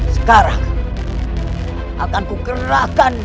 sekarang akan kukerahkan